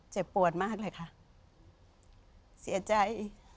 เจ็บปวดมากเลยค่ะเสียใจ